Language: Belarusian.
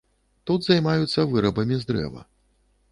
Тут займаюцца вырабамі з дрэва.